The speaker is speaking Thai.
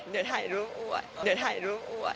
เดี๋ยวถ่ายรูปอ่วน